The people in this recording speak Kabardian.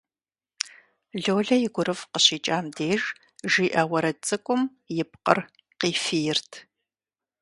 Лолэ и гурыфӀ къыщикӀам деж жиӀэ уэрэд цӀыкӀум и пкъыр къифийрт.